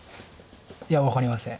いや分かりません。